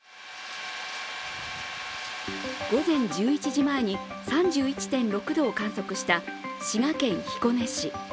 午前１１時前に３１．６度を観測した滋賀県彦根市。